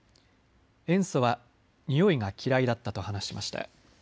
塩素は臭いが嫌いだったと話しました。